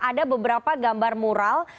ada beberapa gambar mural